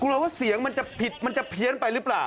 เราว่าเสียงมันจะผิดมันจะเพี้ยนไปหรือเปล่า